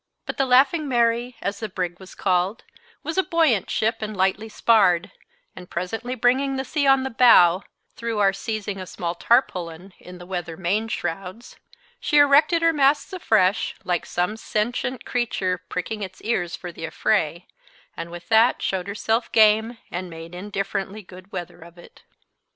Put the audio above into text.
But the Laughing Mary, as the brig was called, was a buoyant ship and lightly sparred, and presently bringing the sea on the bow, through our seizing a small tarpaulin in the weather main shrouds, she erected her masts afresh, like some sentient creature pricking its ears for the affray, and with that showed herself game and made indifferently good weather of it.